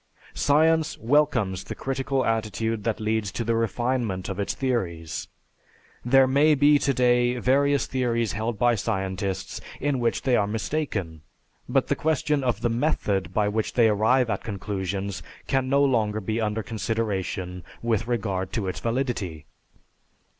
Science welcomes the critical attitude that leads to the refinement of its theories. There may be today various theories held by scientists in which they are mistaken, but the question of the method by which they arrive at conclusions can no longer be under consideration with regard to its validity.